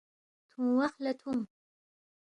تُھونگ وخ لہ تُھونگ